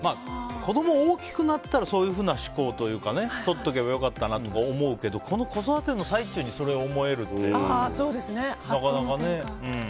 子供、大きくなったらそういうふうな思考というか撮っとけば良かったと思うけど子育ての最中に思えるってなかなかね。